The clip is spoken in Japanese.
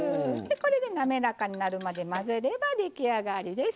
これで滑らかになるまで混ぜれば出来上がりです。